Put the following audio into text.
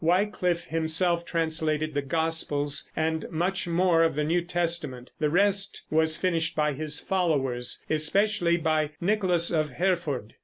Wyclif himself translated the gospels, and much more of the New Testament; the rest was finished by his followers, especially by Nicholas of Hereford.